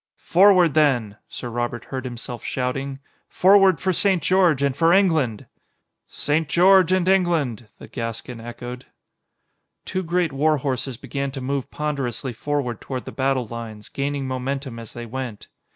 "Forward then!" Sir Robert heard himself shouting. "Forward for St. George and for England!" "St. George and England!" the Gascon echoed. Two great war horses began to move ponderously forward toward the battle lines, gaining momentum as they went.